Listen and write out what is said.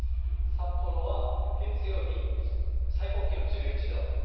札幌は月曜日、最高気温１１度。